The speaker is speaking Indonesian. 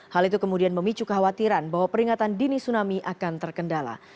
hal itu kemudian memicu kekhawatiran bahwa peringatan dini tsunami akan terkendala